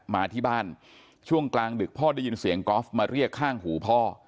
มาที่บ้านช่วงกลางดึกพ่อได้ยินเสียงกอล์ฟมาเรียกข้างหูพ่อ